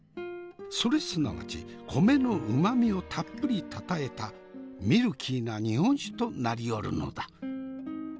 それすなわち米のうまみをたっぷりたたえたミルキーな日本酒となりよるのだ。